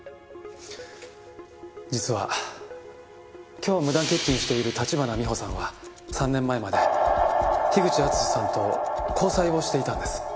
実は今日無断欠勤している立花美穂さんは３年前まで口淳史さんと交際をしていたんです。